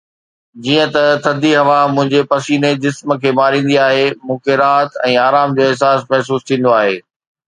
جيئن ته ٿڌي هوا منهنجي پسيني جسم کي ماريندي آهي، مون کي راحت ۽ آرام جو احساس محسوس ٿيندو آهي.